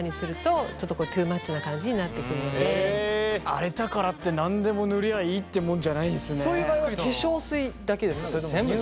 荒れたからって何でも塗りゃいいってもんじゃないんですね。